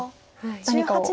何かを。